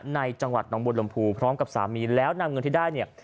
ในจังหวัดหนองบุรมภูพร้อมกับสามีแล้วนำเงินที่ได้เนี่ย